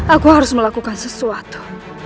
aku harus melakukan sesuatu